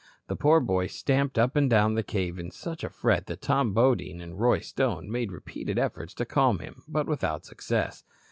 The poor boy stamped up and down the cave in such a fret that Tom Bodine and Roy Stone made repeated efforts to calm him, but without success.